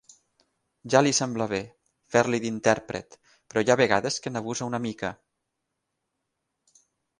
Ja li sembla bé, fer-li d'intèrpret, però hi ha vegades que n'abusa una mica.